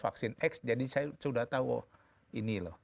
vaksin x jadi saya sudah tahu ini loh